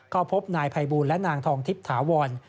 ก็พบนายภัยบูลและนางทองทิพย์ถาวร